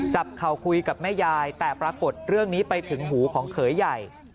เข่าคุยกับแม่ยายแต่ปรากฏเรื่องนี้ไปถึงหูของเขยใหญ่